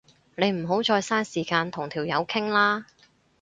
你唔好再嘥時間同條友傾啦